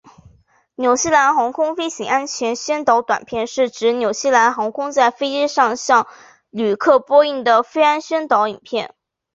纽西兰航空飞行安全宣导短片是指纽西兰航空在飞机上向旅客播映的飞安宣导影片。